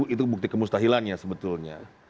itu bukti kemustahilannya sebetulnya